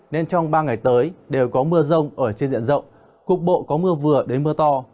nên trong ba ngày tới đều có mưa rông ở trên diện rộng cục bộ có mưa vừa đến mưa to